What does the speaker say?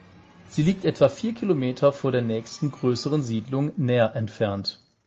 Sie liegt etwa vier Kilometer von der nächsten, größeren Siedlung När entfernt.